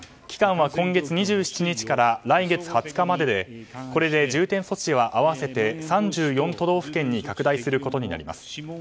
期間は今月２７日から来月２０日まででこれで重点措置は合わせて３４都道府県に拡大することになります。